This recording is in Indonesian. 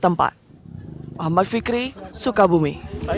mohd fikri soekabumi